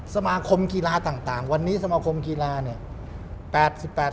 สมาคมกีฬาต่างวันนี้สมาคมกีฬาเนี่ย